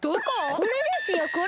これですよこれ！